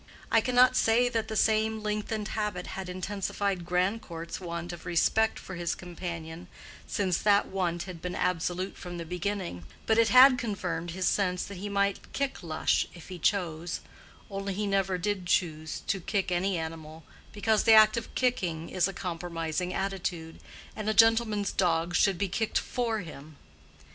I cannot say that the same lengthened habit had intensified Grandcourt's want of respect for his companion since that want had been absolute from the beginning, but it had confirmed his sense that he might kick Lush if he chose—only he never did choose to kick any animal, because the act of kicking is a compromising attitude, and a gentleman's dogs should be kicked for him.